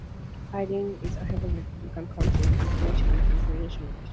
Harding is a heavily Republican county in Presidential and Congressional elections.